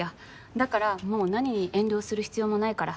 だからもう何に遠慮する必要もないから。